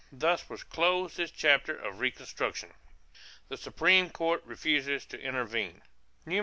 Thus was closed this chapter of reconstruction. =The Supreme Court Refuses to Intervene.